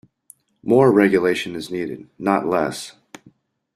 More regulation is needed, not less.